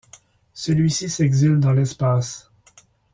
Celui-ci s'exile dans l'espace.